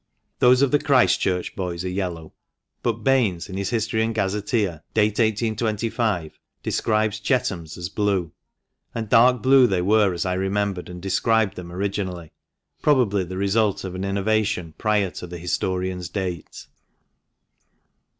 Those of the Christ Church boys are yellow. But Baines, in his •' History and Gazetteer," date 1825, describes Chetham's as blue. And dark blue they were as I remembered and described them originally, probably the result of an innovation prior to the historian's date.